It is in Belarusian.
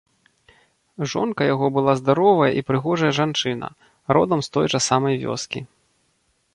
Жонка яго была здаровая і прыгожая жанчына, родам з той жа самай вёскі.